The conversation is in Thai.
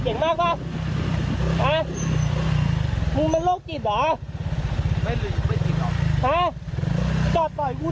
โอ้โหกูขี่ดีบีบแปรใส่กู